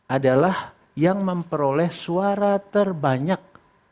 adalah yang memperoleh suara terbanyak